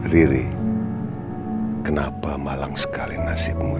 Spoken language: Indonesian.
riri kenapa malang sekali nasibmu